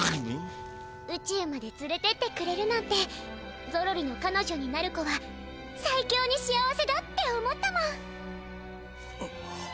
宇宙までつれてってくれるなんてゾロリの彼女になる子はサイキョに幸せだって思ったもん。